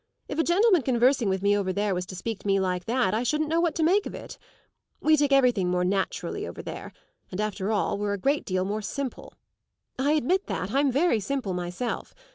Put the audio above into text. If a gentleman conversing with me over there were to speak to me like that I shouldn't know what to make of it. We take everything more naturally over there, and, after all, we're a great deal more simple. I admit that; I'm very simple myself.